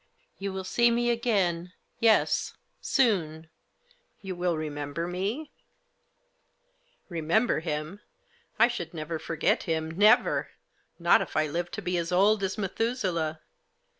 " You will see me again — yes ! Soon ! You will remem ber me ?" Remember him ? I should never forget him, never ! Not if I lived to be as old as Methusaleh.